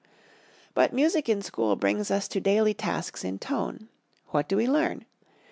But music in school brings us to daily tasks in tone. What do we learn?